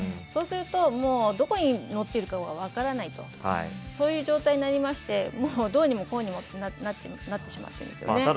そうすると、どこに乗っているかが分からないとそういう状態になりましてどうにもこうにもなってしまってるんですよね。